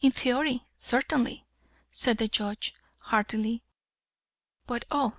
"In theory, certainly," said the Judge, heartily. "But oh!